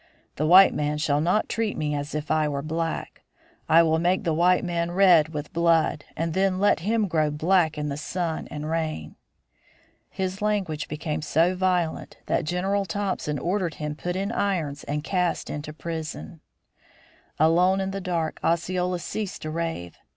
The white man shall not treat me as if I were black. I will make the white man red with blood and then let him grow black in the sun and rain." His language became so violent that General Thompson ordered him put in irons and cast into prison. Alone in the dark, Osceola ceased to rave.